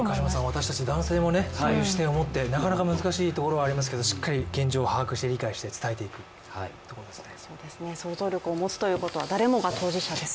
私たち男性もそういう視点を持って、なかなか難しいところがありますが、しっかり現状を把握して、理解して伝えていくということですね。